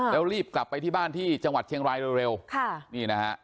แล้วรีบกลับไปที่บ้านที่จังหวัดเชียงรายเร็วค่ะนี่นะฮะ